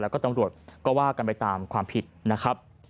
แล้วก็ตำรวจก็ว่ากันไปตามความผิดนะครับ